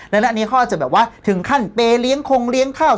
และอันนี้เขาอาจจะแบบว่าถึงขั้นเปย์เลี้ยงคงเลี้ยงข้าว